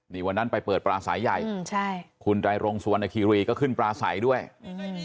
นี่วันนั้นไปเปิดปลาสายใหญ่อืมใช่คุณไตรรงสุวรรณคีรีก็ขึ้นปลาใสด้วยอืม